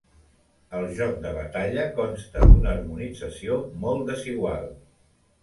El joc de Batalla consta d'una harmonització molt desigual.